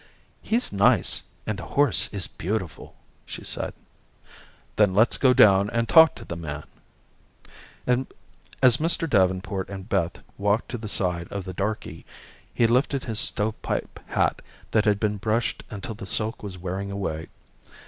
"He's nice, and the horse is beautiful," she said. "Then let's go down and talk to the man." As Mr. Davenport and Beth walked to the side of the darky, he lifted his stovepipe hat that had been brushed until the silk was wearing away.